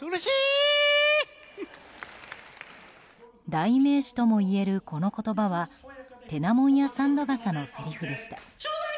代名詞ともいえる、この言葉は「てなもんや三度笠」のせりふでした。